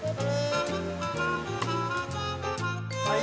はい。